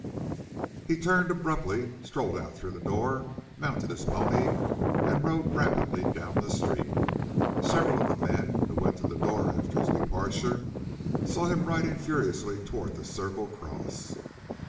He turned abruptly, strode out through the door, mounted his pony, and rode rapidly down the street. Several of the men, who went to the door after his departure, saw him riding furiously toward the Circle Cross.